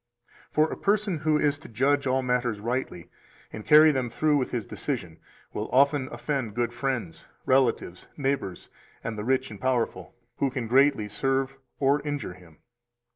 For a person who is to judge all matters rightly and carry them through with his decision will often offend good friends, relatives, neighbors, and the rich and powerful, who can greatly serve or injure him.